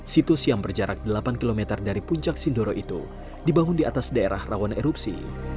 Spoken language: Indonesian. situs yang berjarak delapan km dari puncak sindoro itu dibangun di atas daerah rawan erupsi